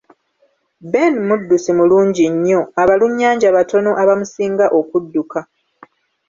Ben muddusi mulungi nnyo; abalunnyanja batono abamusinga okudduka.